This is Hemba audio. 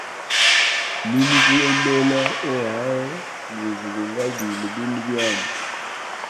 Nimukuembela oaho guve gu ngabile bindu byami.